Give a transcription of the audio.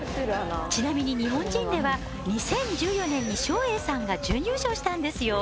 ちなみに日本人では２０１４年に照英さんが準優勝したんですよ